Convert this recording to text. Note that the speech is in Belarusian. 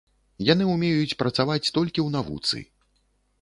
Яны умеюць працаваць толькі ў навуцы.